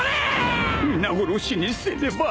「皆殺しにせねば」